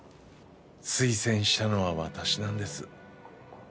推薦したのは私なんです。